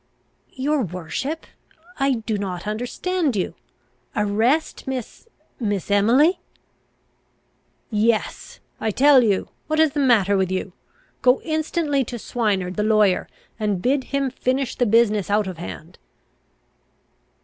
"Your worship? I do not understand you! Arrest Miss Miss Emily!" "Yes, I tell you! What is the matter with you? Go instantly to Swineard, the lawyer, and bid him finish the business out of hand!"